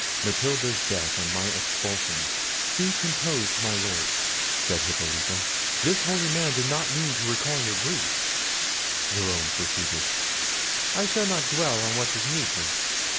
Matilda's death and my expulsion—" "Be composed, my Lord," said Hippolita; "this holy man did not mean to recall your griefs." Jerome proceeded. "I shall not dwell on what is needless.